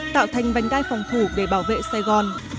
tạo thành vành đai phòng thủ để bảo vệ sài gòn